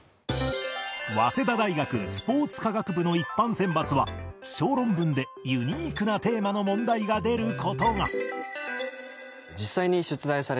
早稲田大学スポーツ科学部の一般選抜は小論文でユニークなテーマの問題が出る事が